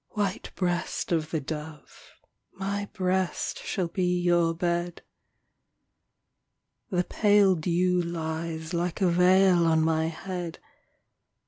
White breast of the dove. My breast shall be your bed. The pale dew lies Like a veil on my head.